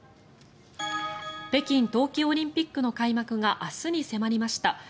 北京冬季オリンピックの開幕が明日に迫りました。